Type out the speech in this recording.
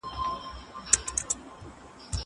دا پاکوالی له هغه ضروري دی!